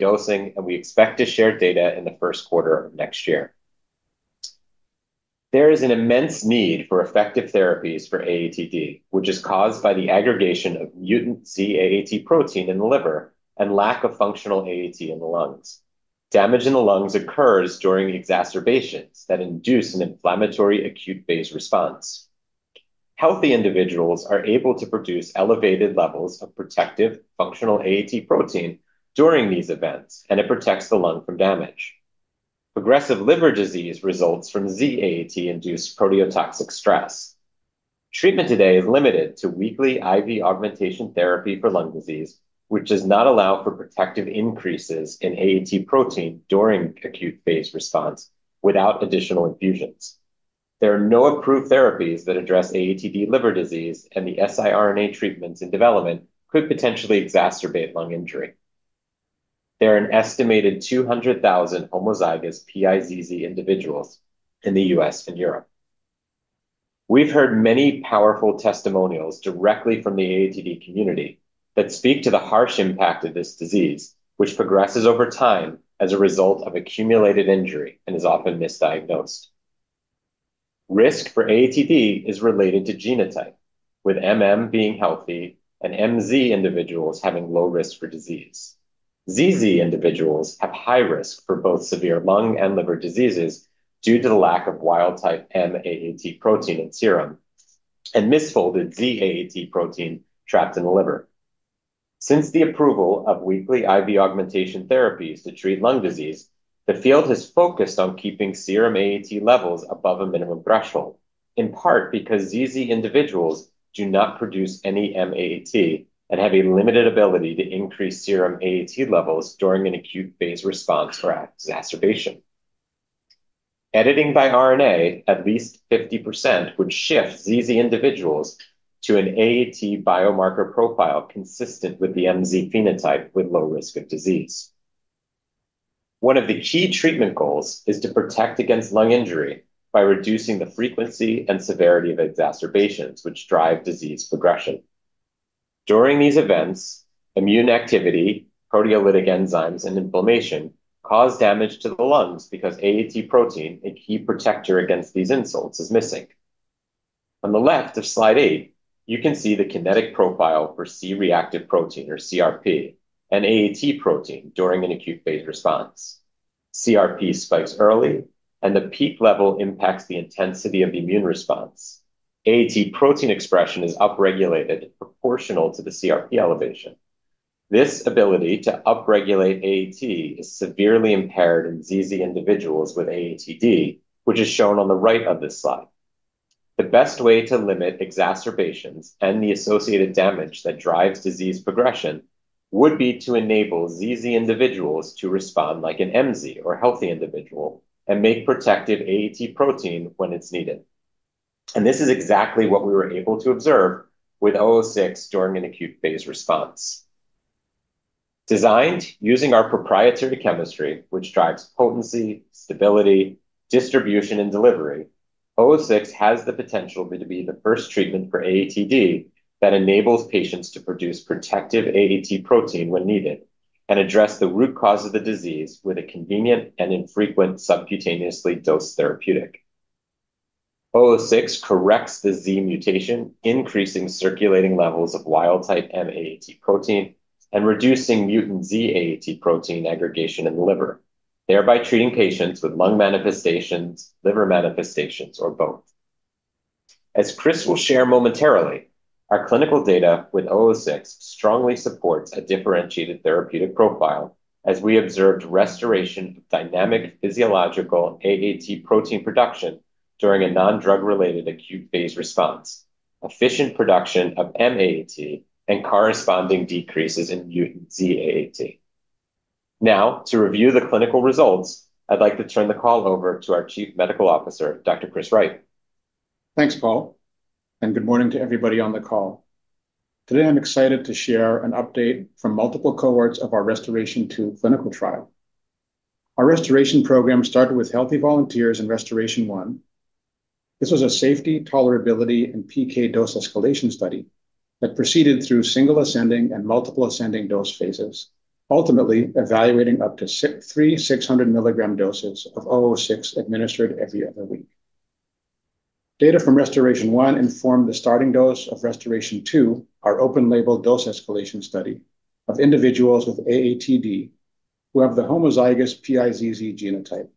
Nielsen and we expect to share data in the first quarter of next year. There is an immense need for effective therapies for AATD, which is caused by the aggregation of mutant Z-AAT protein in the liver and lack of functional AAT in the lungs. Damage in the lungs occurs during exacerbations that induce an inflammatory acute phase response. Healthy individuals are able to produce elevated levels of protective functional AAT protein during these events, and it protects the lung from damage. Progressive liver disease results from Z-AAT-induced proteotoxic stress. Treatment today is limited to weekly IV augmentation therapy for lung disease, which does not allow for protective increases in AAT protein during acute phase response without additional infusions. There are no approved therapies that address AATD liver disease, and the siRNA treatments in development could potentially exacerbate lung injury. There are an estimated 200,000 homozygous PiZZ individuals in the U.S. and Europe. We've heard many powerful testimonials directly from the AATD community that speak to the harsh impact of this disease, which progresses over time as a result of accumulated injury and is often misdiagnosed. Risk for AATD is related to genotype, with MM being healthy and MZ individuals having low risk for disease. ZZ individuals have high risk for both severe lung and liver diseases due to the lack of wild type M-AAT protein in serum and misfolded Z-AAT protein trapped in the liver. Since the approval of weekly IV augmentation therapies to treat lung disease, the field has focused on keeping serum AAT levels above a minimum threshold, in part because ZZ individuals do not produce any M-AAT and have a limited ability to increase serum AAT levels during an acute phase response or exacerbation. Editing by RNA at least 50% would shift ZZ individuals to an AAT biomarker profile consistent with the MZ phenotype with low risk of disease. One of the key treatment goals is to protect against lung injury by reducing the frequency and severity of exacerbations which drive disease progression. During these events, immune activity, proteolytic enzymes, and inflammation cause damage to the lungs because AAT protein, a key protector against these insults, is missing. On the left of slide eight, you can see the kinetic profile for C-reactive protein, or CRP, and AAT protein during an acute phase response. CRP spikes early, and the peak level impacts the intensity of the immune response. AAT protein expression is upregulated proportional to the CRP elevation. This ability to upregulate AAT is severely impaired in ZZ individuals with AATD, which is shown on the right of this slide. The best way to limit exacerbations and the associated damage that drives disease progression would be to enable ZZ individuals to respond like an MZ or healthy individual and make protective AAT protein when it's needed. This is exactly what we were able to observe with WVE-006 during an acute phase response. Designed using our proprietary chemistry, which drives potency, stability, distribution, and delivery, WVE-006 has the potential to be the first treatment for AATD that enables patients to produce protective AAT protein when needed and address the root cause of the disease with a convenient and infrequent subcutaneously dosed therapeutic. WVE-006 corrects the Z mutation, increasing circulating levels of wild type M-AAT protein and reducing mutant Z-AAT protein aggregation in the liver, thereby treating patients with lung manifestations, liver manifestations, or both. As Chris will share momentarily, our clinical data with WVE-006 strongly supports a differentiated therapeutic profile as we observed restoration of dynamic physiological AAT protein production during a non-drug-related acute phase response, efficient production of M-AAT, and corresponding decreases in mutant Z-AAT. Now, to review the clinical results, I'd like to turn the call over to our Chief Medical Officer, Dr. Chris Wright. Thanks, Paul, and good morning to everybody on the call. Today, I'm excited to share an update from multiple cohorts of our Restoration 2 clinical trial. Our restoration program started with healthy volunteers in Restoration 1. This was a safety, tolerability, and PK dose escalation study that proceeded through single ascending and multiple ascending dose phases, ultimately evaluating up to three 600 mg doses of WVE-006 administered every other week. Data from Restoration 1 informed the starting dose of Restoration 2, our open-label dose escalation study, of individuals with AATD who have the homozygous PiZZ genotype.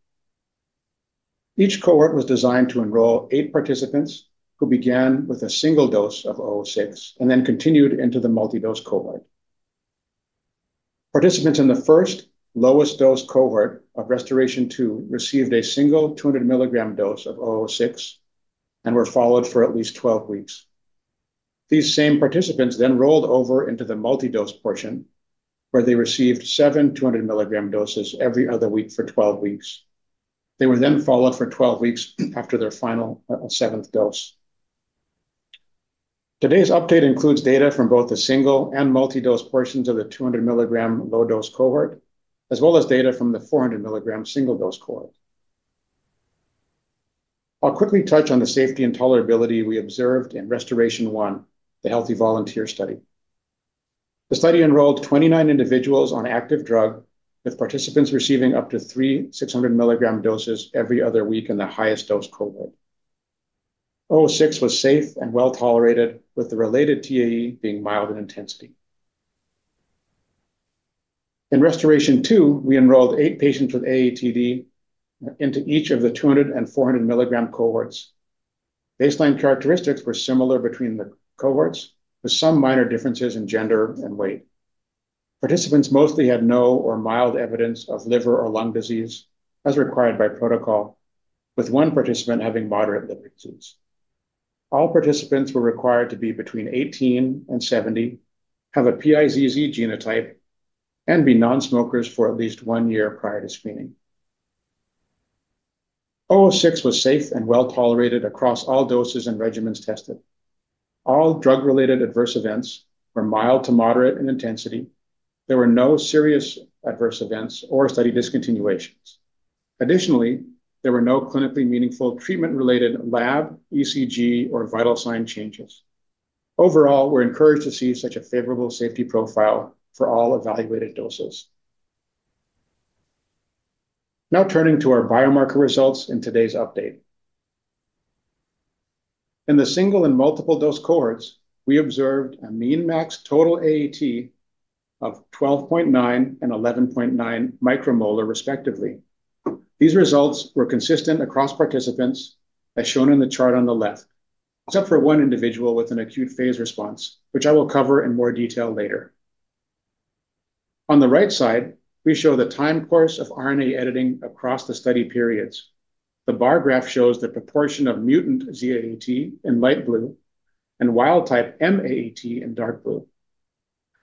Each cohort was designed to enroll eight participants who began with a single dose of WVE-006 and then continued into the multi-dose cohort. Participants in the first lowest dose cohort of Restoration 2 received a single 200 mg dose of WVE-006 and were followed for at least 12 weeks. These same participants then rolled over into the multi-dose portion, where they received seven 200 mg doses every other week for 12 weeks. They were then followed for 12 weeks after their final seventh dose. Today's update includes data from both the single and multi-dose portions of the 200 mg low-dose cohort, as well as data from the 400 mg single-dose cohort. I'll quickly touch on the safety and tolerability we observed in Restoration 1, the healthy volunteer study. The study enrolled 29 individuals on active drug, with participants receiving up to three 600 mg doses every other week in the highest dose cohort. WVE-006 was safe and well tolerated, with the related TAE being mild in intensity. In Restoration 2, we enrolled eight patients with AATD into each of the 200 mg and 400 mg cohorts. Baseline characteristics were similar between the cohorts, with some minor differences in gender and weight. Participants mostly had no or mild evidence of liver or lung disease, as required by protocol, with one participant having moderate liver disease. All participants were required to be between 18 and 70, have a PiZZ genotype, and be non-smokers for at least one year prior to screening. WVE-006 was safe and well tolerated across all doses and regimens tested. All drug-related adverse events were mild to moderate in intensity. There were no serious adverse events or study discontinuations. Additionally, there were no clinically meaningful treatment-related lab, ECG, or vital sign changes. Overall, we're encouraged to see such a favorable safety profile for all evaluated doses. Now turning to our biomarker results in today's update. In the single and multiple dose cohorts, we observed a mean max total AAT of 12.9 μM and 11.9 μM, respectively. These results were consistent across participants, as shown in the chart on the left, except for one individual with an acute phase response, which I will cover in more detail later. On the right side, we show the time course of RNA editing across the study periods. The bar graph shows the proportion of mutant Z-AAT in light blue and wild-type M-AAT in dark blue.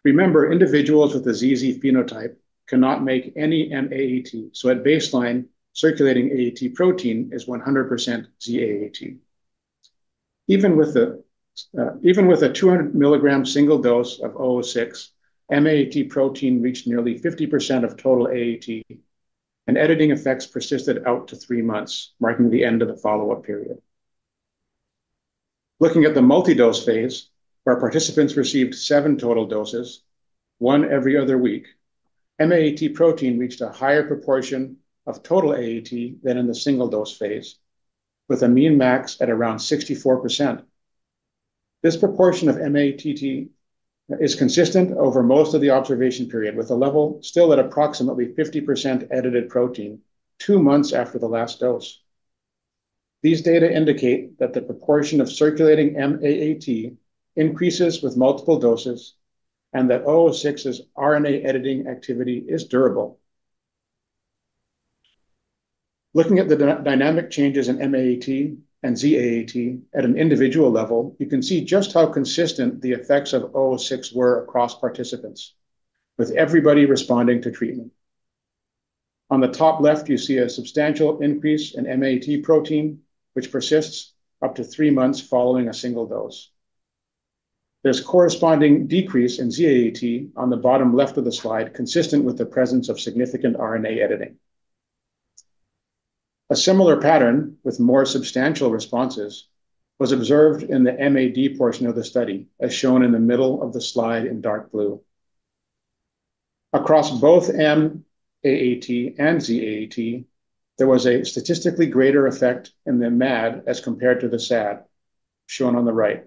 Remember, individuals with the ZZ phenotype cannot make any M-AAT, so at baseline, circulating AAT protein is 100% Z-AAT. Even with a 200 mg single dose of WVE-006, M-AAT protein reached nearly 50% of total AAT, and editing effects persisted out to three months, marking the end of the follow-up period. Looking at the multi-dose phase, where participants received seven total doses, one every other week, M-AAT protein reached a higher proportion of total AAT than in the single dose phase, with a mean max at around 64%. This proportion of M-AAT is consistent over most of the observation period, with the level still at approximately 50% edited protein two months after the last dose. These data indicate that the proportion of circulating M-AAT increases with multiple doses and that WVE-006's RNA editing activity is durable. Looking at the dynamic changes in M-AAT and Z-AAT at an individual level, you can see just how consistent the effects of WVE-006 were across participants, with everybody responding to treatment. On the top left, you see a substantial increase in M-AAT protein, which persists up to three months following a single dose. There's a corresponding decrease in Z-AAT on the bottom left of the slide, consistent with the presence of significant RNA editing. A similar pattern with more substantial responses was observed in the MAD portion of the study, as shown in the middle of the slide in dark blue. Across both M-AAT and Z-AAT, there was a statistically greater effect in the MAD as compared to the SAD, shown on the right,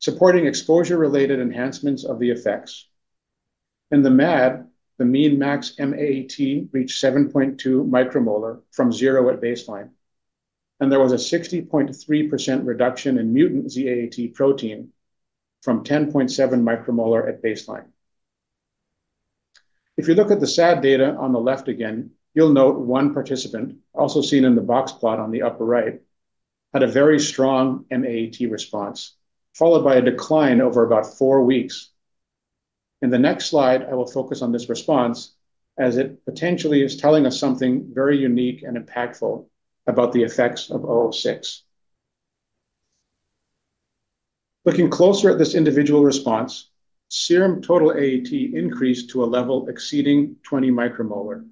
supporting exposure-related enhancements of the effects. In the MAD, the mean max M-AAT reached 7.2 μM from zero at baseline, and there was a 60.3% reduction in mutant Z-AAT protein from 10.7 μM at baseline. If you look at the SAD data on the left again, you'll note one participant, also seen in the box plot on the upper right, had a very strong M-AAT response, followed by a decline over about four weeks. In the next slide, I will focus on this response as it potentially is telling us something very unique and impactful about the effects of WVE-006. Looking closer at this individual response, serum total AAT increased to a level exceeding 20 μM.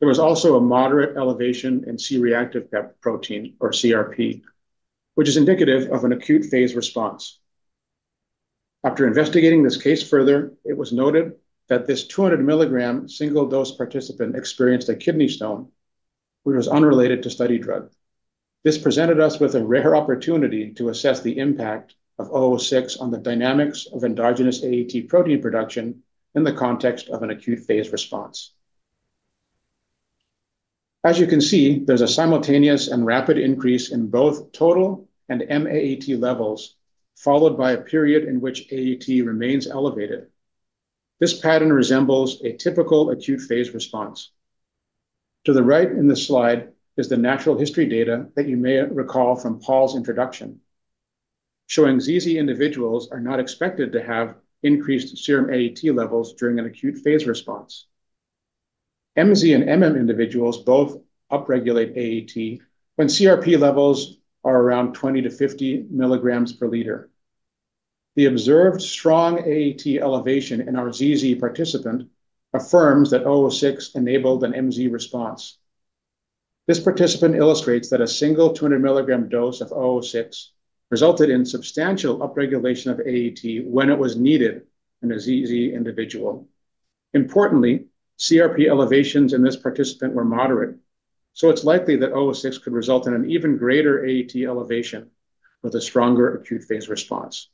There was also a moderate elevation in C-reactive protein, or CRP, which is indicative of an acute phase response. After investigating this case further, it was noted that this 200 mg single dose participant experienced a kidney stone, which was unrelated to study drug. This presented us with a rare opportunity to assess the impact of WVE-006 on the dynamics of endogenous AAT protein production in the context of an acute phase response. As you can see, there's a simultaneous and rapid increase in both total and M-AAT levels, followed by a period in which AAT remains elevated. This pattern resembles a typical acute phase response. To the right in the slide is the natural history data that you may recall from Paul's introduction, showing ZZ individuals are not expected to have increased serum AAT levels during an acute phase response. MZ and individuals both upregulate AAT when CRP levels are around 20 mg- 50 mg per liter. The observed strong AAT elevation in our ZZ participant affirms that WVE-006 enabled an MZ response. This participant illustrates that a single 200 mg dose of WVE-006 resulted in substantial upregulation of AAT when it was needed in a ZZ individual. Importantly, CRP elevations in this participant were moderate, so it's likely that WVE-006 could result in an even greater AAT elevation with a stronger acute phase response.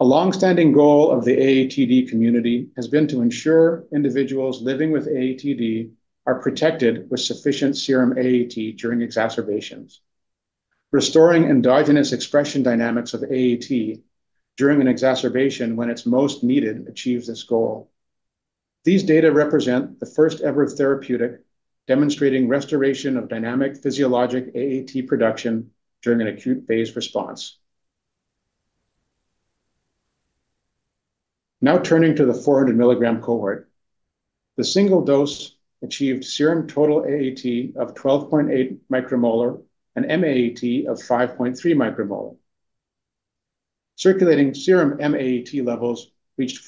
A longstanding goal of the AATD community has been to ensure individuals living with AATD are protected with sufficient serum AAT during exacerbations, restoring endogenous expression dynamics of AAT during an exacerbation when it's most needed to achieve this goal. These data represent the first ever therapeutic demonstrating restoration of dynamic physiologic AAT production during an acute phase response. Now turning to the 400 mg cohort, the single dose achieved serum total AAT of 12.8 μM and M-AAT of 5.3 μM. Circulating serum M-AAT levels reached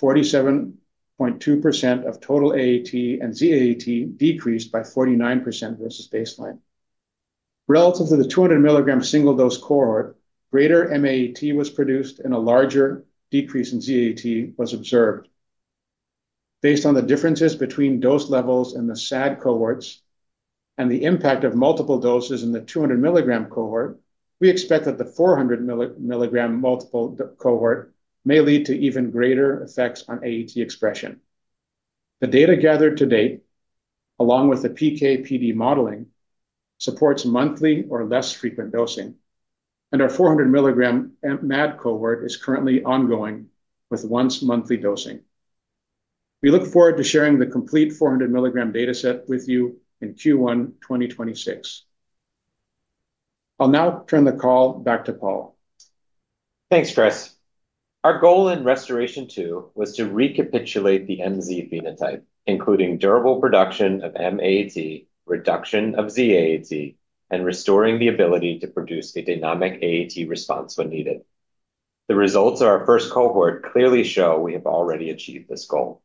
47.2% of total AAT, and Z-AAT decreased by 49% versus baseline. Relative to the 200 mg single dose cohort, greater M-AAT was produced and a larger decrease in Z-AAT was observed. Based on the differences between dose levels in the SAD cohorts and the impact of multiple doses in the 200 mg cohort, we expect that the 400 mg multiple cohort may lead to even greater effects on AAT expression. The data gathered to date, along with the PK/PD modeling, supports monthly or less frequent dosing, and our 400 mg MAD cohort is currently ongoing with once monthly dosing. We look forward to sharing the complete 400 mg dataset with you in Q1 2026. I'll now turn the call back to Paul. Thanks, Chris. Our goal in Restoration 2 was to recapitulate the MZ phenotype, including durable production of M-AAT, reduction of Z-AAT, and restoring the ability to produce a dynamic AAT response when needed. The results of our first cohort clearly show we have already achieved this goal.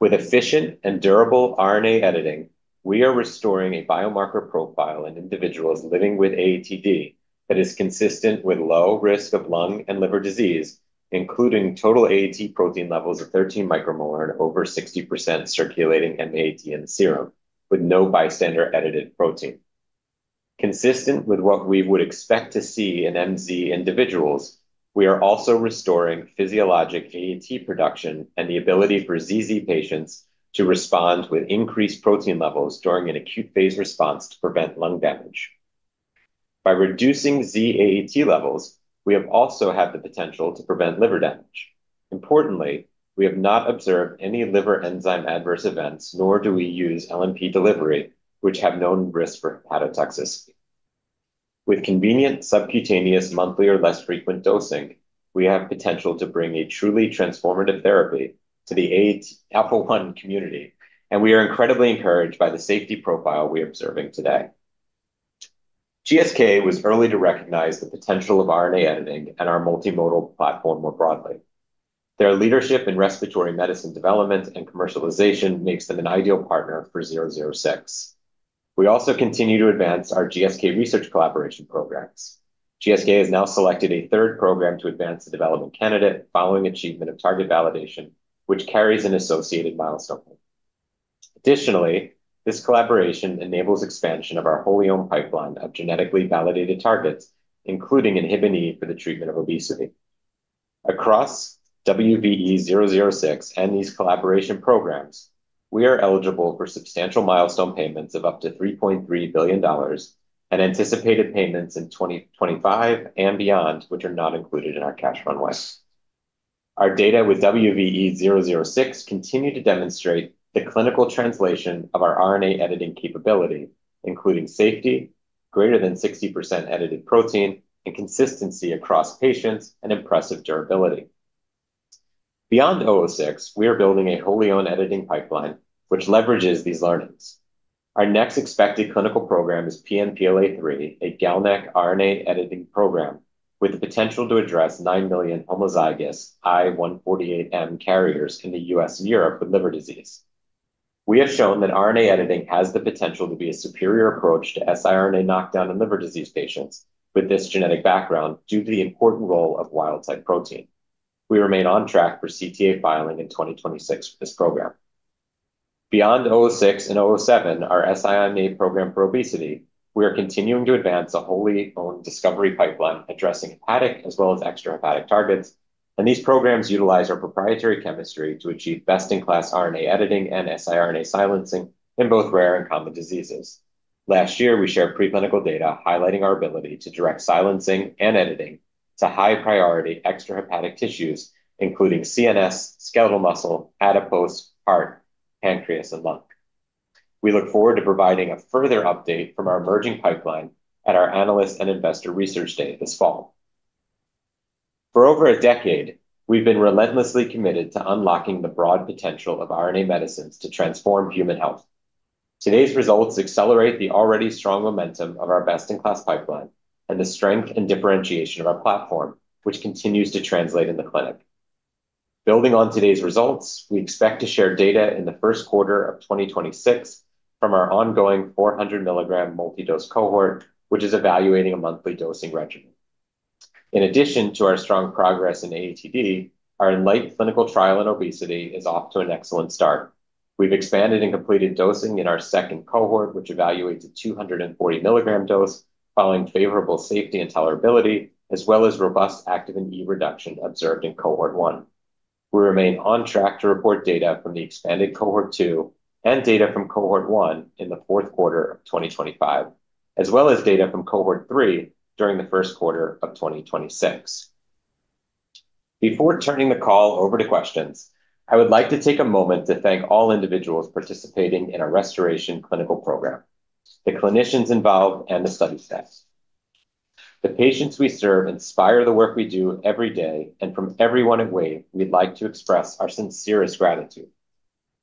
With efficient and durable RNA editing, we are restoring a biomarker profile in individuals living with AATD that is consistent with low risk of lung and liver disease, including total AAT protein levels of 13 μM and over 60% circulating M-AAT in the serum with no bystander edited protein. Consistent with what we would expect to see in MZ individuals, we are also restoring physiologic AAT production and the ability for ZZ patients to respond with increased protein levels during an acute phase response to prevent lung damage. By reducing Z-AAT levels, we have also had the potential to prevent liver damage. Importantly, we have not observed any liver enzyme adverse events, nor do we use LNP delivery, which have known risks for hepatotoxicity. With convenient subcutaneous monthly or less frequent dosing, we have the potential to bring a truly transformative therapy to the AAT alpha-1 community, and we are incredibly encouraged by the safety profile we are observing today. GSK was early to recognize the potential of RNA editing and our multimodal platform more broadly. Their leadership in respiratory medicine development and commercialization makes them an ideal partner for WVE-006. We also continue to advance our GSK research collaboration programs. GSK has now selected a third program to advance the development candidate following achievement of target validation, which carries an associated milestone. Additionally, this collaboration enables expansion of our wholly owned pipeline of genetically validated targets, including inhibinE for the treatment of obesity. Across WVE-WVE-006 and these collaboration programs, we are eligible for substantial milestone payments of up to $3.3 billion and anticipated payments in 2025 and beyond, which are not included in our cash runway. Our data with WVE-WVE-006 continue to demonstrate the clinical translation of our RNA editing capability, including safety, greater than 60% edited protein, and consistency across patients and impressive durability. Beyond WVE-006, we are building a wholly owned editing pipeline, which leverages these learnings. Our next expected clinical program is PNPLA3, a GalNAc-conjugated RNA editing program with the potential to address 9 million homozygous I148M carriers in the U.S. and Europe with liver disease. We have shown that RNA editing has the potential to be a superior approach to siRNA knockdown in liver disease patients with this genetic background due to the important role of wild-type protein. We remain on track for CTA filing in 2026 for this program. Beyond WVE-006 and WVE-007, our siRNA program for obesity, we are continuing to advance a wholly owned discovery pipeline addressing hepatic as well as extrahepatic targets, and these programs utilize our proprietary chemistry to achieve best-in-class RNA editing and siRNA silencing in both rare and common diseases. Last year, we shared preclinical data highlighting our ability to direct silencing and editing to high-priority extrahepatic tissues, including CNS, skeletal muscle, adipose, heart, pancreas, and lung. We look forward to providing a further update from our emerging pipeline at our analyst and investor research day this fall. For over a decade, we've been relentlessly committed to unlocking the broad potential of RNA medicines to transform human health. Today's results accelerate the already strong momentum of our best-in-class pipeline and the strength and differentiation of our platform, which continues to translate in the clinic. Building on today's results, we expect to share data in the first quarter of 2026 from our ongoing 400 mg multi-dose cohort, which is evaluating a monthly dosing regimen. In addition to our strong progress in AATD, our enlightened clinical trial in obesity is off to an excellent start. We've expanded and completed dosing in our second cohort, which evaluates a 240 mg dose, following favorable safety and tolerability, as well as robust active and E reduction observed in cohort one. We remain on track to report data from the expanded cohort two and data from cohort one in the fourth quarter of 2025, as well as data from cohort three during the first quarter of 2026. Before turning the call over to questions, I would like to take a moment to thank all individuals participating in our Restoration clinical program, the clinicians involved, and the study staff. The patients we serve inspire the work we do every day, and from everyone at Wave, we'd like to express our sincerest gratitude.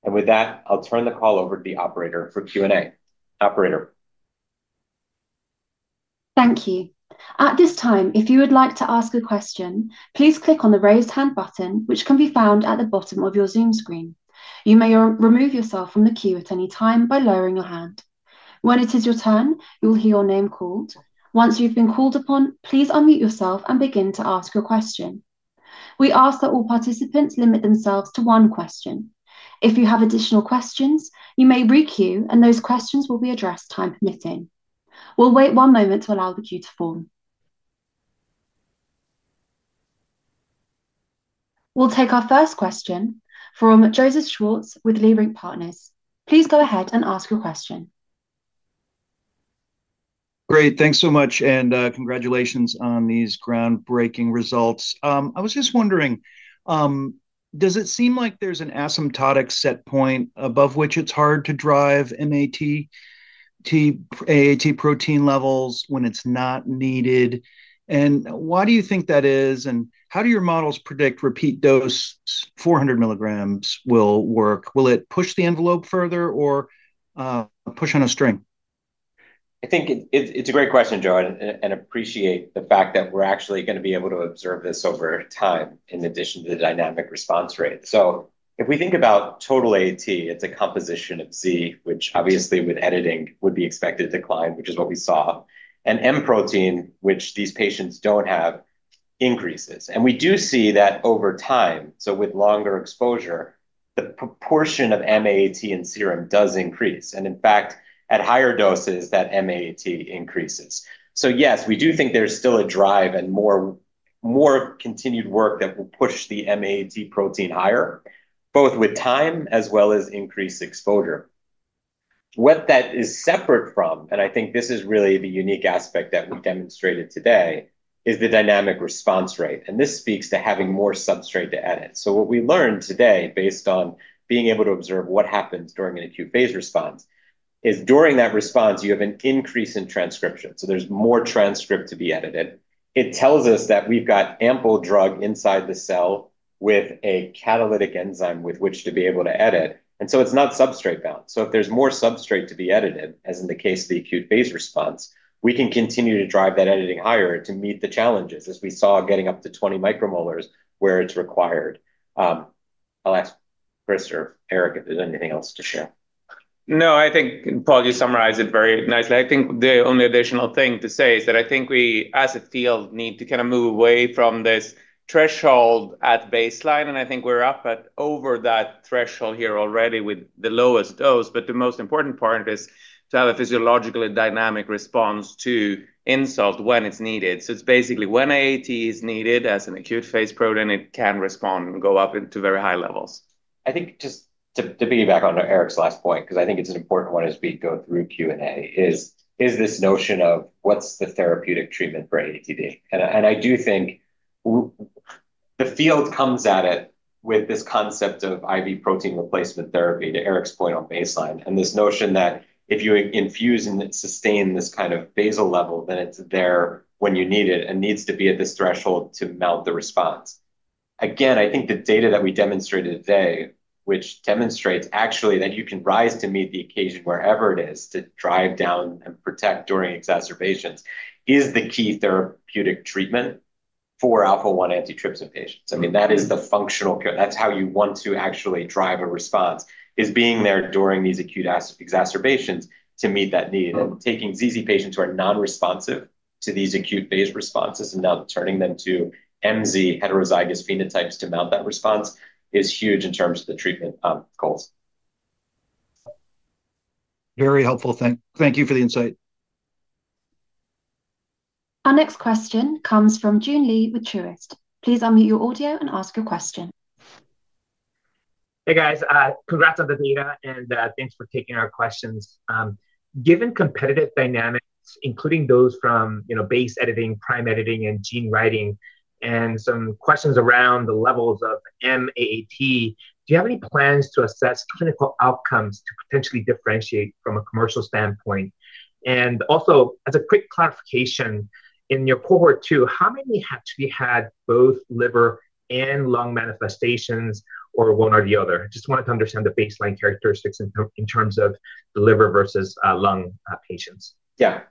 With that, I'll turn the call over to the operator for Q&A. Operator. Thank you. At this time, if you would like to ask a question, please click on the raised hand button, which can be found at the bottom of your Zoom screen. You may remove yourself from the queue at any time by lowering your hand. When it is your turn, you'll hear your name called. Once you've been called upon, please unmute yourself and begin to ask your question. We ask that all participants limit themselves to one question. If you have additional questions, you may re-queue, and those questions will be addressed time permitting. We'll wait one moment to allow the queue to form. We'll take our first question from Joseph Schwartz with Leerink Partners. Please go ahead and ask your question. Great, thanks so much, and congratulations on these groundbreaking results. I was just wondering, does it seem like there's an asymptotic set point above which it's hard to drive M-AAT, AAT protein levels when it's not needed? Why do you think that is? How do your models predict repeat dose 400 mg will work? Will it push the envelope further or push on a string? I think it's a great question, Joe, and I appreciate the fact that we're actually going to be able to observe this over time in addition to the dynamic response rate. If we think about total AAT, it's a composition of Z, which obviously with editing would be expected to climb, which is what we saw, and M protein, which these patients don't have, increases. We do see that over time, so with longer exposure, the proportion of M-AAT in serum does increase. In fact, at higher doses, that M-AAT increases. Yes, we do think there's still a drive and more continued work that will push the M-AAT protein higher, both with time as well as increased exposure. What that is separate from, and I think this is really the unique aspect that we demonstrated today, is the dynamic response rate. This speaks to having more substrate to edit. What we learned today, based on being able to observe what happens during an acute phase response, is during that response, you have an increase in transcription. There's more transcript to be edited. It tells us that we've got ample drug inside the cell with a catalytic enzyme with which to be able to edit. It's not substrate bound. If there's more substrate to be edited, as in the case of the acute phase response, we can continue to drive that editing higher to meet the challenges, as we saw getting up to 20 μMs where it's required. I'll ask Chris or Erik if there's anything else to share. No, I think, Paul, you summarized it very nicely. I think the only additional thing to say is that I think we, as a field, need to kind of move away from this threshold at baseline. I think we're up over that threshold here already with the lowest dose. The most important part is to have a physiologically dynamic response to insult when it's needed. It's basically when AAT is needed as an acute phase protein, it can respond and go up into very high levels. I think just to piggyback on Erik's last point, because I think it's an important one as we go through Q&A, is this notion of what's the therapeutic treatment for AATD? I do think the field comes at it with this concept of IV protein replacement therapy, to Erik's point on baseline, and this notion that if you infuse and sustain this kind of basal level, then it's there when you need it and needs to be at this threshold to mount the response. I think the data that we demonstrated today, which demonstrates actually that you can rise to meet the occasion wherever it is to drive down and protect during exacerbations, is the key therapeutic treatment for alpha-1 antitrypsin patients. I mean, that is the functional care. That's how you want to actually drive a response, is being there during these acute exacerbations to meet that need. Taking ZZ patients who are non-responsive to these acute phase responses and now turning them to MZ heterozygous phenotypes to mount that response is huge in terms of the treatment goals. Very helpful. Thank you for the insight. Our next question comes from Joon Lee with Truist. Please unmute your audio and ask your question. Hey, guys. Congrats on the data and thanks for taking our questions. Given competitive dynamics, including those from base editing, prime editing, and team writing, and some questions around the levels of M-AAT, do you have any plans to assess clinical outcomes to potentially differentiate from a commercial standpoint? Also, as a quick clarification, in your cohort two, how many have we had both liver and lung manifestations or one or the other? I just wanted to understand the baseline characteristics in terms of liver versus lung patients. Yeah.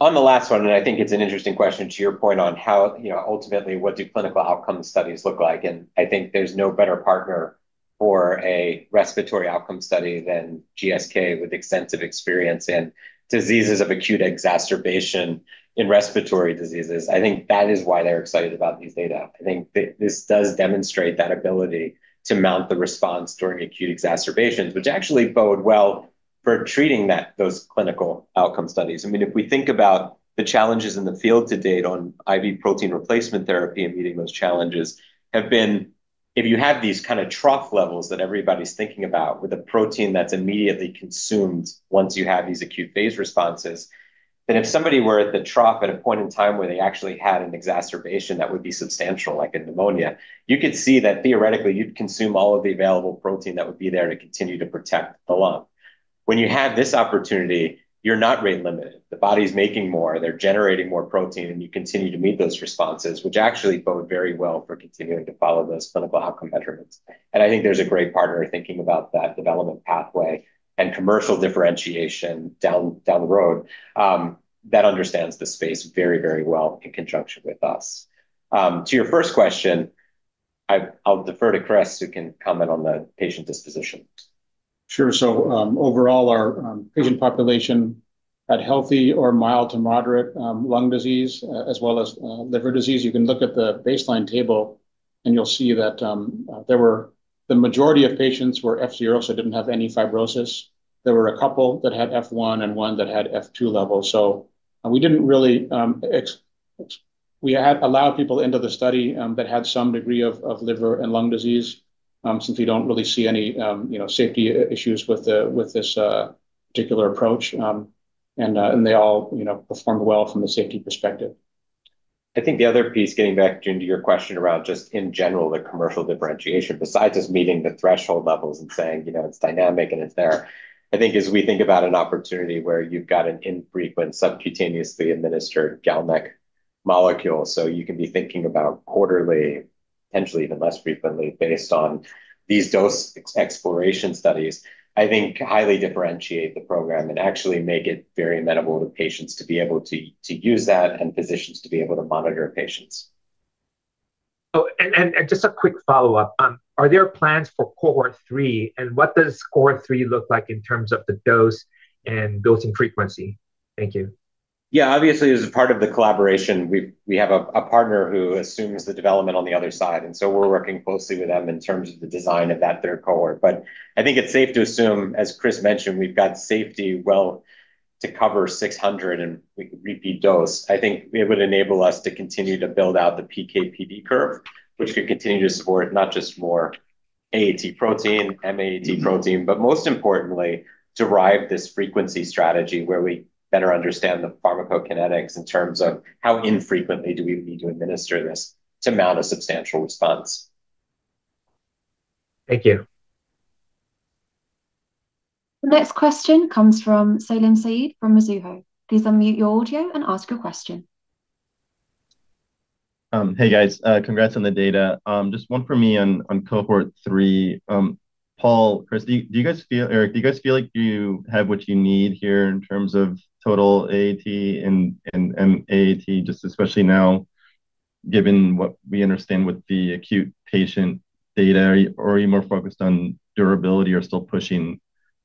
On the last one, I think it's an interesting question to your point on how ultimately what do clinical outcome studies look like? I think there's no better partner for a respiratory outcome study than GSK with extensive experience in diseases of acute exacerbation in respiratory diseases. I think that is why they're excited about these data. I think this does demonstrate that ability to mount the response during acute exacerbations, which actually bode well for treating those clinical outcome studies. If we think about the challenges in the field to date on IV protein replacement therapy and meeting those challenges have been, if you have these kind of trough levels that everybody's thinking about with a protein that's immediately consumed once you have these acute phase responses, then if somebody were at the trough at a point in time where they actually had an exacerbation that would be substantial, like in pneumonia, you could see that theoretically you'd consume all of the available protein that would be there to continue to protect the lung. When you have this opportunity, you're not rate limited. The body's making more, they're generating more protein, and you continue to meet those responses, which actually bode very well for continuing to follow those clinical outcome measurements. I think there's a great partner thinking about that development pathway and commercial differentiation down the road that understands the space very, very well in conjunction with us. To your first question, I'll defer to Chris who can comment on the patient disposition. Sure. Overall, our patient population had healthy or mild to moderate lung disease, as well as liver disease. You can look at the baseline table and you'll see that the majority of patients were F0, so didn't have any fibrosis. There were a couple that had F1 and one that had F2 levels. We allowed people into the study that had some degree of liver and lung disease since we don't really see any safety issues with this particular approach. They all performed well from the safety perspective. I think the other piece, getting back to your question around just in general the commercial differentiation, besides just meeting the threshold levels and saying it's dynamic and it's there, I think as we think about an opportunity where you've got an infrequent subcutaneously administered GalNAc molecule, you can be thinking about quarterly, potentially even less frequently based on these dose exploration studies. I think highly differentiate the program and actually make it very amenable to patients to be able to use that and physicians to be able to monitor patients. Oh, just a quick follow-up. Are there plans for cohort three? What does cohort three look like in terms of the dose and frequency? Thank you. Obviously, as part of the collaboration, we have a partner who assumes the development on the other side. We are working closely with them in terms of the design of that third cohort. I think it's safe to assume, as Chris mentioned, we've got safety well to cover 600 and repeat dose. I think it would enable us to continue to build out the PK/PD curve, which could continue to support not just more AAT protein, M-AAT protein, but most importantly, derive this frequency strategy where we better understand the pharmacokinetics in terms of how infrequently do we need to administer this to mount a substantial response. Thank you. The next question comes from Salim Syed from Mizuho. Please unmute your audio and ask your question. Hey guys, congrats on the data. Just one for me on cohort three. Paul, Chris, do you guys feel, Erik, do you guys feel like you have what you need here in terms of total AAT and M-AAT, just especially now given what we understand with the acute patient data? Are you more focused on durability or still pushing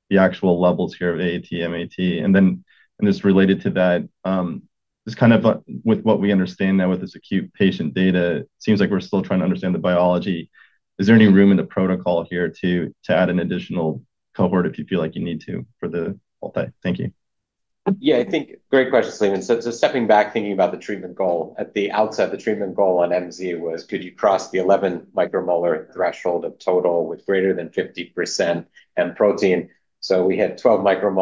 the actual levels here of AAT, M-AAT? Just related to that, with what we understand now with this acute patient data, it seems like we're still trying to understand the biology. Is there any room in the protocol here to add an additional cohort if you feel like you need to for the multi? Thank you. Yeah, I think great question, Salim. Stepping back, thinking about the treatment goal, at the outset, the treatment goal on MZ was could you cross the 11 μM threshold of total with greater than 50% M protein. We had 12 μM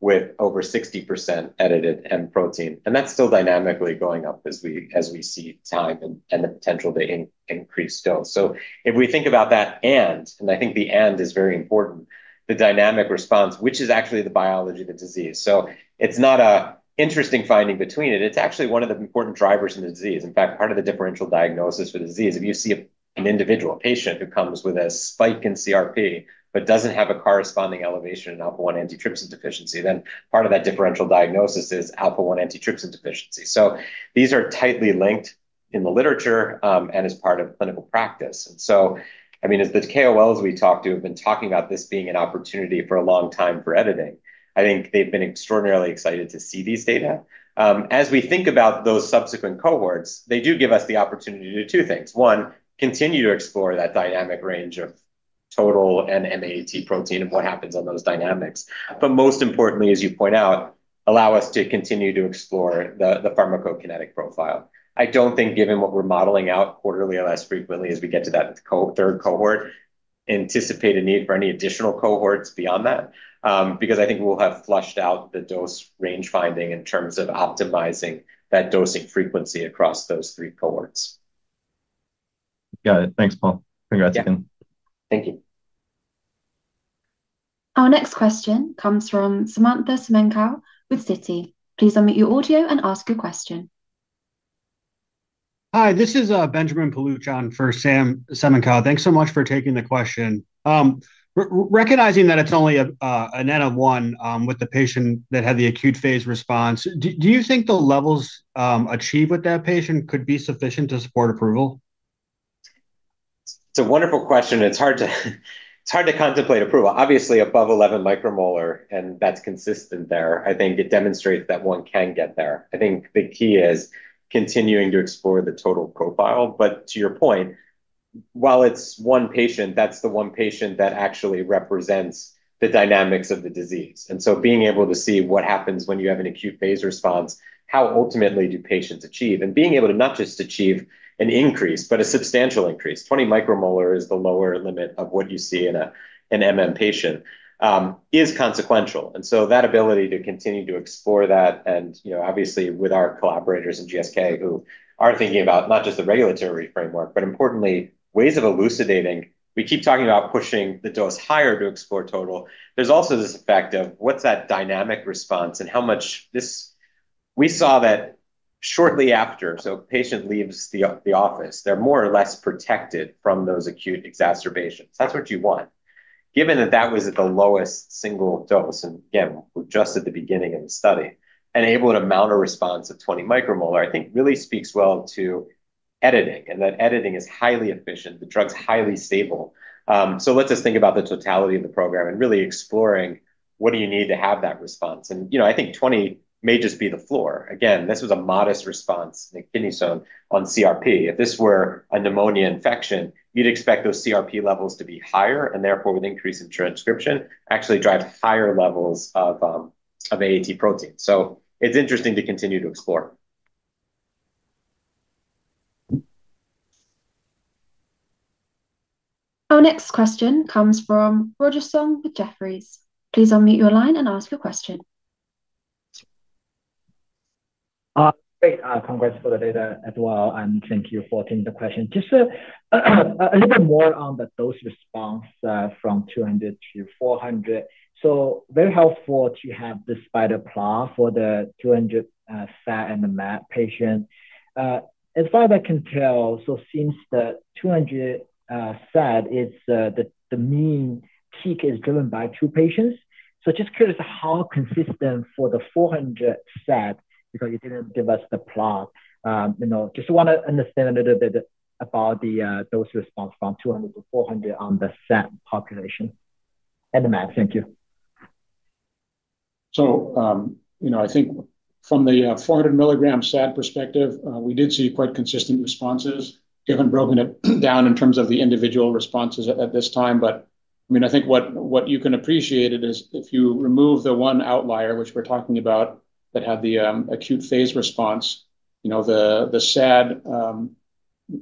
with over 60% edited M protein, and that's still dynamically going up as we see time and the potential to increase dose. If we think about that, and I think the and is very important, the dynamic response, which is actually the biology of the disease, it's not an interesting finding between it. It's actually one of the important drivers in the disease. In fact, part of the differential diagnosis for the disease, if you see an individual, a patient who comes with a spike in CRP but doesn't have a corresponding elevation in alpha-1 antitrypsin deficiency, then part of that differential diagnosis is alpha-1 antitrypsin deficiency. These are tightly linked in the literature and as part of clinical practice. As the KOLs we talk to have been talking about this being an opportunity for a long time for editing, I think they've been extraordinarily excited to see these data. As we think about those subsequent cohorts, they do give us the opportunity to do two things. One, continue to explore that dynamic range of total and M-AAT protein and what happens on those dynamics. Most importantly, as you point out, allow us to continue to explore the pharmacokinetic profile. I don't think given what we're modeling out quarterly or less frequently as we get to that third cohort, anticipate a need for any additional cohorts beyond that, because I think we'll have flushed out the dose range finding in terms of optimizing that dosing frequency across those three cohorts. Got it. Thanks, Paul. Congrats again. Thank you. Our next question comes from Samantha Semenkow with Citi. Please unmute your audio and ask your question. Hi, this is Benjamin Paluch on for Sam Semenkow. Thanks so much for taking the question. Recognizing that it's only an N of 1 with the patient that had the acute phase response, do you think the levels achieved with that patient could be sufficient to support approval? It's a wonderful question. It's hard to contemplate approval. Obviously, above 11 μM, and that's consistent there. I think it demonstrates that one can get there. I think the key is continuing to explore the total profile. To your point, while it's one patient, that's the one patient that actually represents the dynamics of the disease. Being able to see what happens when you have an acute phase response, how ultimately do patients achieve, and being able to not just achieve an increase, but a substantial increase, 20 μM is the lower limit of what you see in a patient, is consequential. That ability to continue to explore that, and obviously with our collaborators in GSK who are thinking about not just the regulatory framework, but importantly, ways of elucidating. We keep talking about pushing the dose higher to explore total. There's also this effect of what's that dynamic response and how much this, we saw that shortly after, so a patient leaves the office, they're more or less protected from those acute exacerbations. That's what you want. Given that that was at the lowest single dose, and again, just at the beginning of the study, and able to mount a response of 20 μM, I think really speaks well to editing and that editing is highly efficient, the drug's highly stable. It lets us think about the totality of the program and really exploring what do you need to have that response. I think 20 μM may just be the floor. This was a modest response in a kidney stone on CRP. If this were a pneumonia infection, you'd expect those CRP levels to be higher, and therefore with increase in transcription, actually drive higher levels of AAT protein. It's interesting to continue to explore. Our next question comes from Roger Song with Jefferies. Please unmute your line and ask your question. Great, congrats for the data as well, and thank you for taking the question. Just a little bit more on the dose response from 200 mg to 400 mg. Very helpful to have this spider plot for the 200 mg SAD and the MAD patient. As far as I can tell, the 200 mg SAD mean peak is driven by two patients. Just curious how consistent for the 400 mg SAD, because you didn't give us the plot. I want to understand a little bit about the dose response from 200 mg to 400 mg on the SAD population and the MAD. Thank you. I think from the 400 mg SAD perspective, we did see quite consistent responses, even broken down in terms of the individual responses at this time. I think what you can appreciate is if you remove the one outlier, which we're talking about, that had the acute phase response, the SAD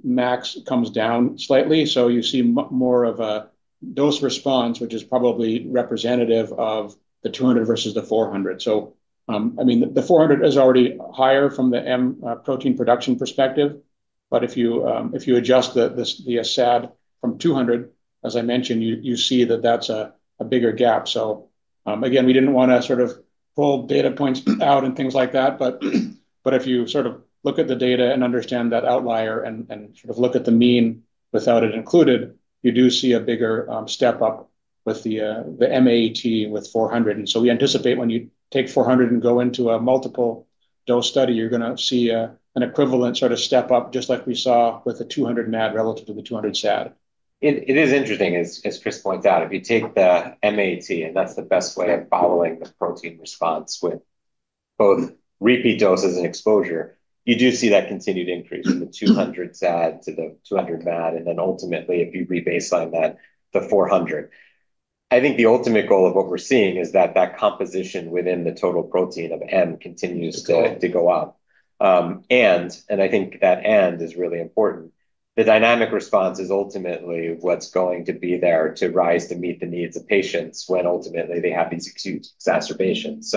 max comes down slightly. You see more of a dose response, which is probably representative of the 200 mg versus the 400 mg. The 400 mg is already higher from the M protein production perspective. If you adjust the SAD from 200 mg, as I mentioned, you see that that's a bigger gap. We didn't want to sort of pull data points out and things like that. If you sort of look at the data and understand that outlier and sort of look at the mean without it included, you do see a bigger step up with the M-AAT with 400 mg. We anticipate when you take 400 mg and go into a multiple dose study, you're going to see an equivalent sort of step up, just like we saw with the 200 mg MAD relative to the 200 mg SAD. It is interesting, as Chris pointed out, if you take the M-AAT, and that's the best way to model the protein response with both repeat doses and exposure, you do see that continued increase in the 200 mg SAD to the 200 mg MAD. Ultimately, if you rebaseline that to 400 mg, I think the ultimate goal of what we're seeing is that that composition within the total protein of M continues to go up. That is really important. The dynamic response is ultimately what's going to be there to rise to meet the needs of patients when ultimately they have these acute exacerbations.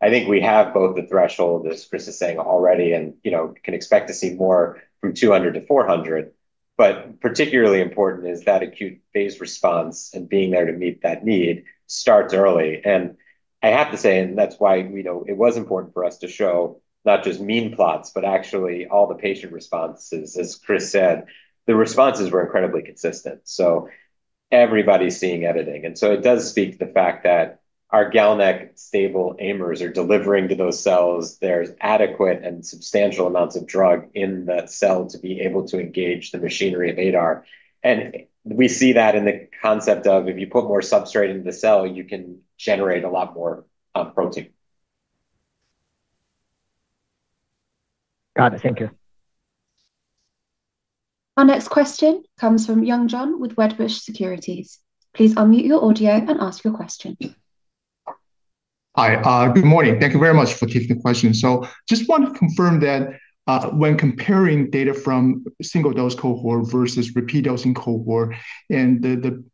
I think we have both the threshold, as Chris is saying already, and you know, can expect to see more from 200 mg to 400 mg. Particularly important is that acute phase response and being there to meet that need starts early. I have to say, that's why it was important for us to show not just mean plots, but actually all the patient responses. As Chris said, the responses were incredibly consistent. Everybody's seeing editing. It does speak to the fact that our GalNAc stable AMERs are delivering to those cells. There's adequate and substantial amounts of drug in that cell to be able to engage the machinery and ADAR. We see that in the concept of if you put more substrate into the cell, you can generate a lot more protein. Got it. Thank you. Our next question comes from Yun Zhong with Wedbush Securities. Please unmute your audio and ask your question. Hi, good morning. Thank you very much for taking the question. I just want to confirm that when comparing data from single dose cohort versus repeat dosing cohort, the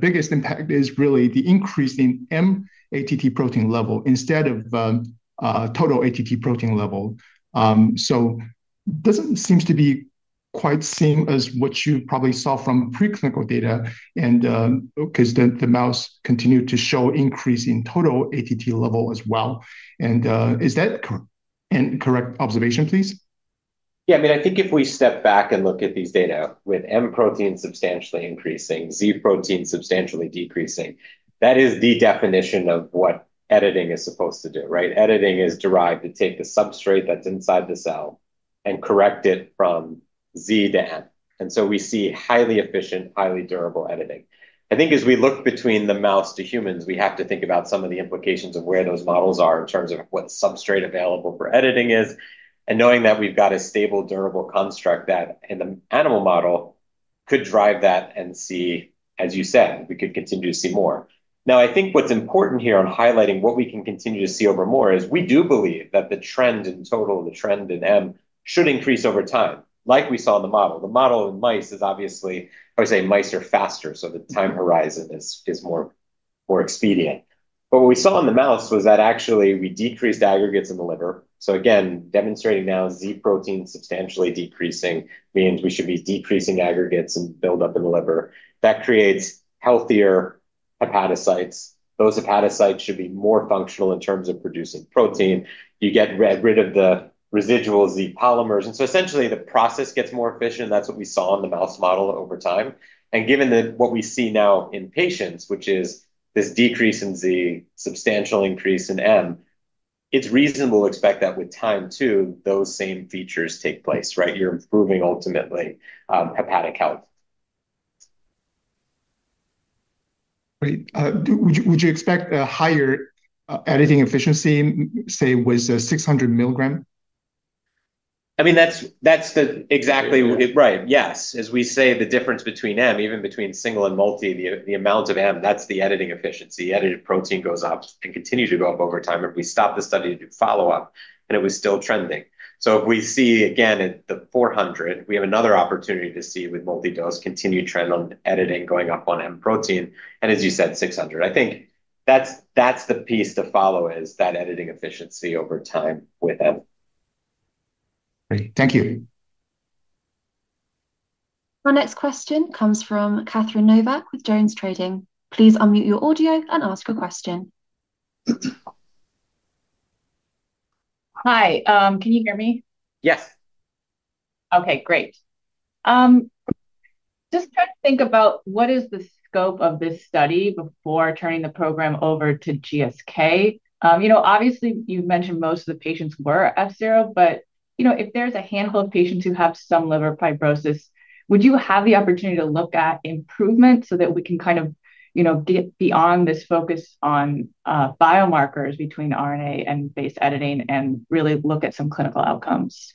biggest impact is really the increase in M-AAT protein level instead of total AAT protein level. It doesn't seem to be quite the same as what you probably saw from preclinical data because the mouse continued to show increase in total AAT level as well. Is that a correct observation, please? Yeah, I mean, I think if we step back and look at these data with M protein substantially increasing, Z protein substantially decreasing, that is the definition of what editing is supposed to do, right? Editing is derived to take the substrate that's inside the cell and correct it from Z to M. We see highly efficient, highly durable editing. I think as we look between the mouse to humans, we have to think about some of the implications of where those models are in terms of what substrate available for editing is. Knowing that we've got a stable, durable construct that in the animal model could drive that and see, as you said, we could continue to see more. I think what's important here on highlighting what we can continue to see over more is we do believe that the trend in total, the trend in M should increase over time, like we saw in the model. The model in mice is obviously, I would say mice are faster, so the time horizon is more expedient. What we saw in the mouse was that actually we decreased aggregates in the liver. Again, demonstrating now Z protein substantially decreasing means we should be decreasing aggregates and buildup in the liver. That creates healthier hepatocytes. Those hepatocytes should be more functional in terms of producing protein. You get rid of the residual Z polymers. Essentially, the process gets more efficient. That's what we saw in the mouse model over time. Given that what we see now in patients, which is this decrease in Z, substantial increase in M, it's reasonable to expect that with time too, those same features take place, right? You're improving ultimately hepatic health. Would you expect a higher editing efficiency, say, with 600 mg? I mean, that's exactly right. Yes. As we say, the difference between M, even between single and multi, the amount of M, that's the editing efficiency. The edited protein goes up and continues to go up over time. If we stop the study to do follow-up, it was still trending. If we see, again, at the 400 mg, we have another opportunity to see with multi-dose continued trend on editing going up on M protein. As you said, 600 mg. I think that's the piece to follow is that editing efficiency over time with M. Great, thank you. Our next question comes from Catherine Novack with Jones Trading. Please unmute your audio and ask your question. Hi, can you hear me? Yes. Okay, great. Just trying to think about what is the scope of this study before turning the program over to GSK. You mentioned most of the patients were F0, but if there's a handful of patients who have some liver fibrosis, would you have the opportunity to look at improvement so that we can get beyond this focus on biomarkers between RNA and based editing and really look at some clinical outcomes?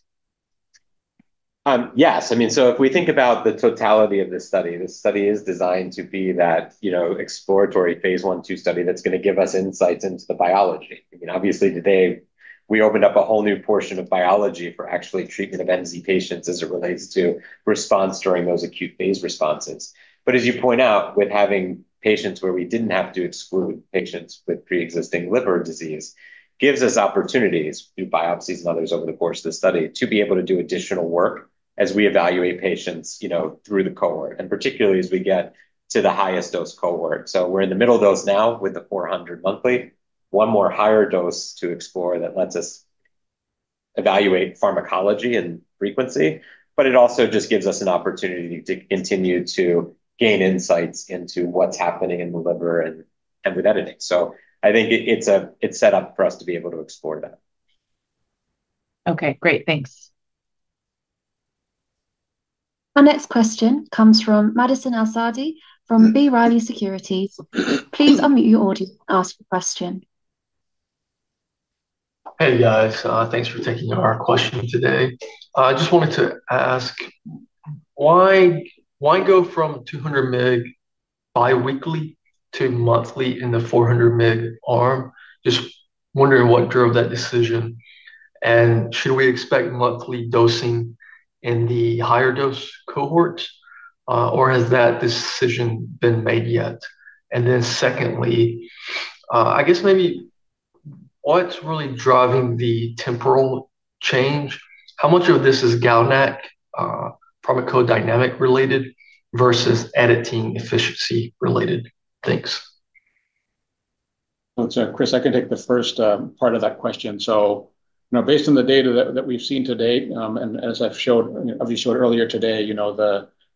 Yes. If we think about the totality of this study, this study is designed to be that exploratory phase I/II study that's going to give us insights into the biology. Obviously, today we opened up a whole new portion of biology for actual treatment of MZ patients as it relates to response during those acute phase responses. As you point out, with having patients where we didn't have to exclude patients with pre-existing liver disease, it gives us opportunities to do biopsies and others over the course of the study to be able to do additional work as we evaluate patients through the cohort, particularly as we get to the highest dose cohort. We're in the middle dose now with the 400 mg monthly, one more higher dose to explore that lets us evaluate pharmacology and frequency. It also just gives us an opportunity to continue to gain insights into what's happening in the liver and with editing. I think it's set up for us to be able to explore that. Okay, great. Thanks. Our next question comes from Madison El-Saadi from B. Riley Securities. Please unmute your audio and ask your question. Hey guys, thanks for taking our question today. I just wanted to ask, why go from 200 mg biweekly to monthly in the 400 mg arm? Just wondering what drove that decision. Should we expect monthly dosing in the higher dose cohorts, or has that decision been made yet? Secondly, I guess maybe what's really driving the temporal change? How much of this is GalNAc, pharmacodynamic related versus editing efficiency related things? Chris, I can take the first part of that question. Based on the data that we've seen today, and as I showed earlier today,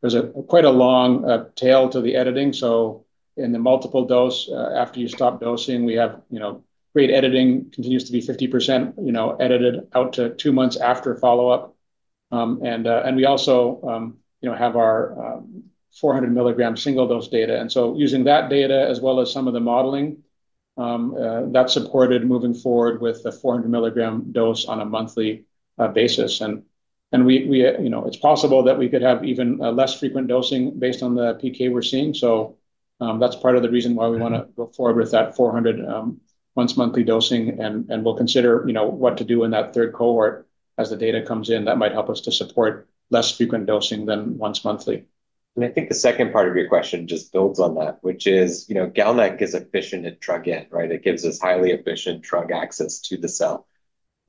there's quite a long tail to the editing. In the multiple dose, after you stop dosing, we have great editing that continues to be 50% edited out to two months after follow-up. We also have our 400 mg single dose data. Using that data, as well as some of the modeling, that supported moving forward with the 400 mg dose on a monthly basis. It's possible that we could have even less frequent dosing based on the PK we're seeing. That's part of the reason why we want to go forward with that 400 mg once monthly dosing. We'll consider what to do in that third cohort as the data comes in that might help us to support less frequent dosing than once monthly. I think the second part of your question just builds on that, which is, you know, GalNAc is efficient at drug end, right? It gives us highly efficient drug access to the cell.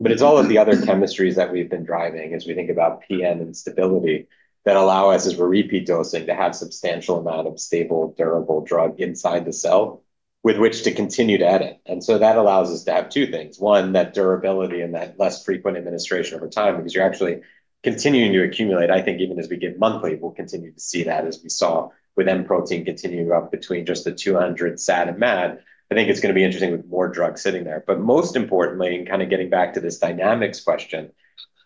It's all of the other chemistries that we've been driving as we think about PN and stability that allow us, as we're repeat dosing, to have a substantial amount of stable, durable drug inside the cell with which to continue to edit. That allows us to have two things. One, that durability and that less frequent administration over time, because you're actually continuing to accumulate. I think even as we give monthly, we'll continue to see that as we saw with M protein continuing up between just the 200 mg SAD and MAD. I think it's going to be interesting with more drugs sitting there. Most importantly, and kind of getting back to this dynamics question,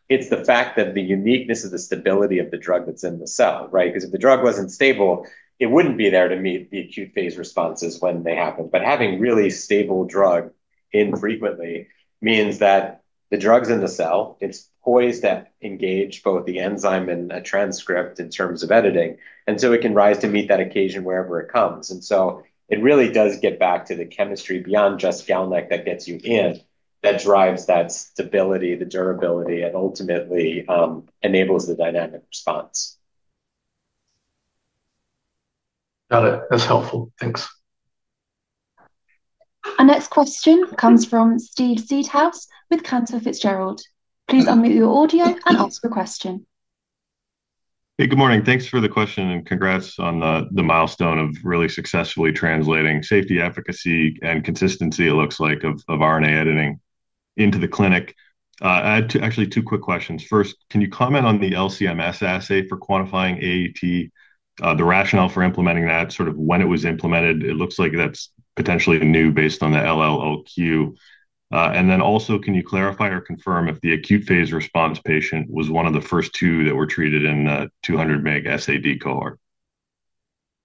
it's the fact that the uniqueness of the stability of the drug that's in the cell, right? If the drug wasn't stable, it wouldn't be there to meet the acute phase responses when they happen. Having really stable drug infrequently means that the drug's in the cell, it's poised to engage both the enzyme and a transcript in terms of editing. It can rise to meet that occasion wherever it comes. It really does get back to the chemistry beyond just GalNAc that gets you in, that drives that stability, the durability, and ultimately enables the dynamic response. Got it. That's helpful. Thanks. Our next question comes from Steve Seedhouse with Cantor Fitzgerald. Please unmute your audio and ask your question. Hey, good morning. Thanks for the question and congrats on the milestone of really successfully translating safety, efficacy, and consistency, it looks like, of RNA editing into the clinic. I had actually two quick questions. First, can you comment on the LC-MS assay for quantifying AAT, the rationale for implementing that, sort of when it was implemented? It looks like that's potentially new based on the LLQ. Also, can you clarify or confirm if the acute phase response patient was one of the first two that were treated in a 200 mg SAD cohort?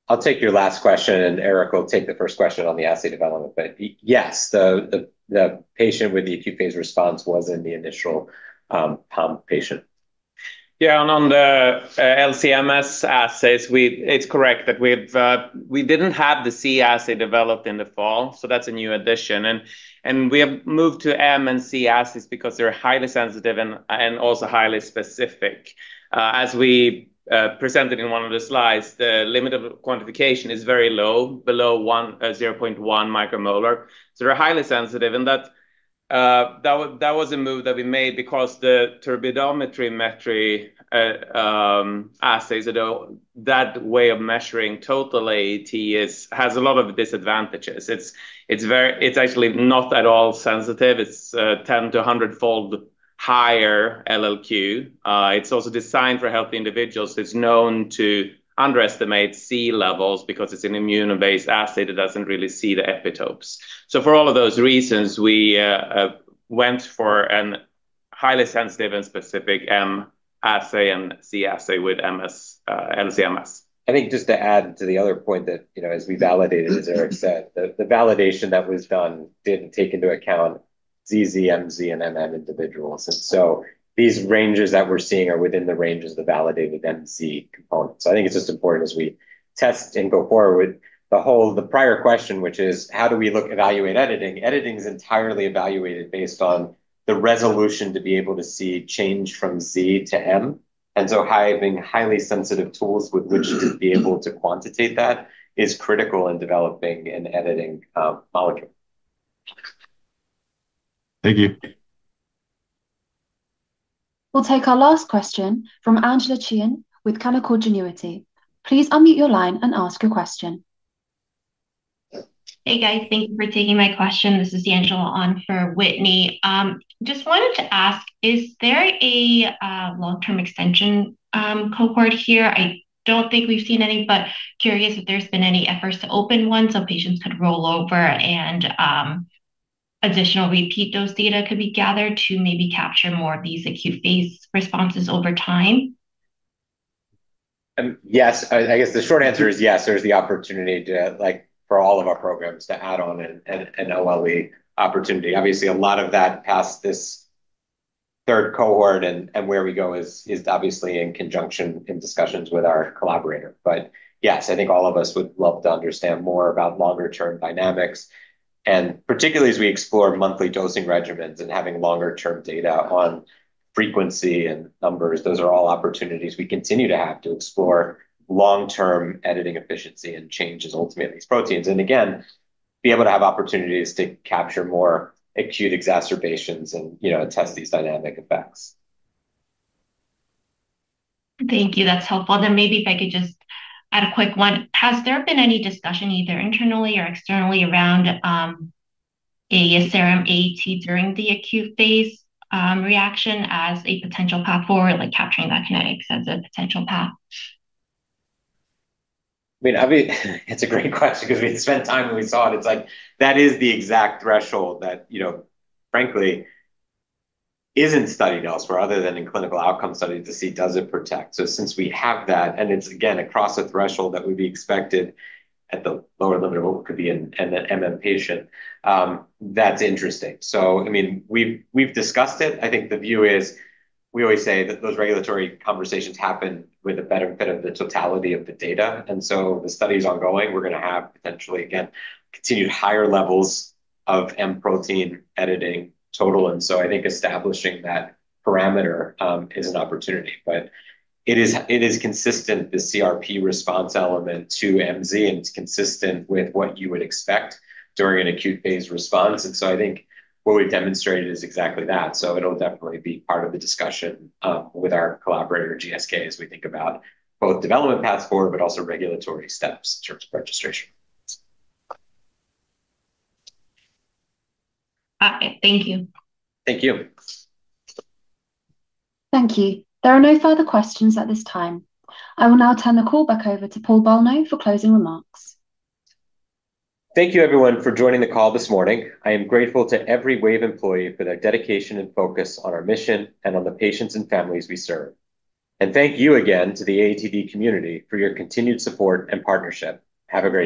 I'll take your last question, and Erik will take the first question on the assay development. Yes, the patient with the acute phase response was in the initial pump patient. Yeah, on the LC-MS assays, it's correct that we didn't have the C assay developed in the fall. That's a new addition. We have moved to M and C assays because they're highly sensitive and also highly specific. As we presented in one of the slides, the limit of quantification is very low, below 0.1 μM. They're highly sensitive. That was a move we made because the turbidometry assays, that way of measuring total AAT, have a lot of disadvantages. It's actually not at all sensitive. It's a 10- 100-fold higher LLQ. It's also designed for healthy individuals. It's known to underestimate C levels because it's an immunobased assay that doesn't really see the epitopes. For all of those reasons, we went for a highly sensitive and specific M assay and C assay with LC-MS. I think just to add to the other point that, you know, as we validated, as Erik Ingelsson said, the validation that was done didn't take into account ZZ, MZ, and MN individuals. These ranges that we're seeing are within the ranges of the validated MZ component. I think it's just important as we test in cohort with the whole, the prior question, which is how do we evaluate editing? Editing is entirely evaluated based on the resolution to be able to see change from Z to M. Having highly sensitive tools with which to be able to quantitate that is critical in developing an editing molecule. Thank you. We'll take our last question from Angela Qian with Canaccord Genuity. Please unmute your line and ask your question. Hey guys, thank you for taking my question. This is Angela on for Whitney. Just wanted to ask, is there a long-term extension cohort here? I don't think we've seen any, but curious if there's been any efforts to open one so patients could roll over and additional repeat dose data could be gathered to maybe capture more of these acute phase responses over time? Yes, I guess the short answer is yes. There's the opportunity, like for all of our programs, to add on an OLE opportunity. Obviously, a lot of that past this third cohort and where we go is in conjunction with discussions with our collaborator. Yes, I think all of us would love to understand more about longer-term dynamics, particularly as we explore monthly dosing regimens and having longer-term data on frequency and numbers. Those are all opportunities we continue to have to explore long-term editing efficiency and changes ultimately in these proteins. Again, be able to have opportunities to capture more acute exacerbations and test these dynamic effects. Thank you. That's helpful. Maybe if I could just add a quick one. Has there been any discussion either internally or externally around a serum AAT during the acute phase response as a potential path forward, like capturing that kinetic sensitive potential path? I mean, it's a great question because we spent time when we saw it. It's like that is the exact threshold that, you know, frankly, isn't studied elsewhere other than in clinical outcome studies to see does it protect. Since we have that, and it's again across a threshold that would be expected at the lower limit of what could be in patient, that's interesting. I mean, we've discussed it. I think the view is we always say that those regulatory conversations happen with a better bit of the totality of the data. The study is ongoing. We're going to have potentially again continued higher levels of M protein editing total. I think establishing that parameter is an opportunity. It is consistent, the CRP response element to MZ, and it's consistent with what you would expect during an acute phase response. I think what we've demonstrated is exactly that. It'll definitely be part of the discussion with our collaborator GSK as we think about both development paths forward, but also regulatory steps in terms of registration. Thank you. Thank you. Thank you. There are no further questions at this time. I will now turn the call back over to Paul Bolno for closing remarks. Thank you, everyone, for joining the call this morning. I am grateful to every Wave employee for their dedication and focus on our mission and on the patients and families we serve. Thank you again to the AATD community for your continued support and partnership. Have a great day.